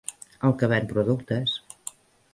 El que ven productes.